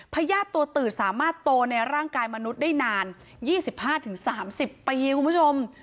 พญาติตัวตื่นสามารถโตในร่างกายมนุษย์ได้นาน๒๕๓๐ปีคุณผู้ชม